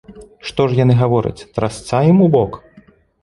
Што ж яны гавораць, трасца ім ў бок?